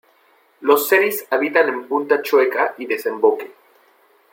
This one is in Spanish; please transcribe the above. Los seris habitan en Punta Chueca y Desemboque.